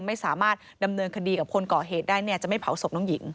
ไม่สามารถดำเนินคดีกับคนก่อเหตุได้เนี่ยจะไม่เผาศพน้องหญิง